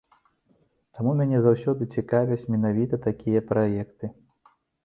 Таму мяне заўсёды цікавяць менавіта такія праекты.